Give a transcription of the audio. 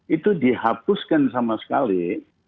itu dihapuskan sama sekali